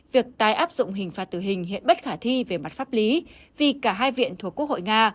việc tái áp dụng hình phạt tử hình hiện bất khả thi về mặt pháp lý vì cả hai viện thuộc quốc hội nga